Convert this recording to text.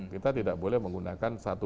kita tidak boleh menggunakan satu